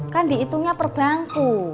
kan diituhnya per bangku